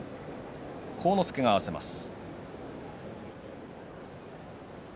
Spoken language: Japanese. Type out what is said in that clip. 晃之助が合わせます。